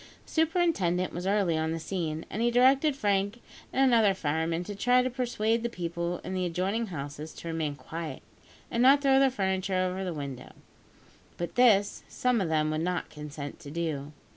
The superintendent was early on the scene, and he directed Frank and another fireman to try to persuade the people in the adjoining houses to remain quiet, and not throw their furniture over the window; but this, some of them would not consent to do.